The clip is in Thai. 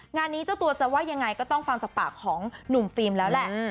งานนี้เจ้าตัวจะว่ายังไงก็ต้องฟังจากปากของหนุ่มฟิล์มแล้วแหละ